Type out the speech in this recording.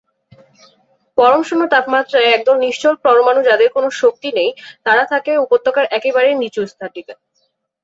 পরম শূন্য তাপমাত্রায় একদল নিশ্চল পরমাণু যাদের কোনো শক্তি নেই, তারা থাকে উপত্যকার একেবারেই নিচু স্থানটিতে।